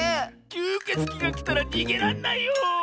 きゅうけつきがきたらにげらんないよ。